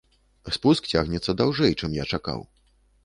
Спуск цягнецца даўжэй, чым я чакаў.